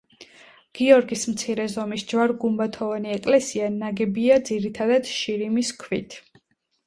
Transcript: გიორგის მცირე ზომის ჯვარ-გუმბათოვანი ეკლესია, ნაგებია ძირითადად შირიმის ქვით.